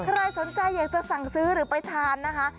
ใครสนใจอยากจะสั่งซื้อหรือไปทานนะคะ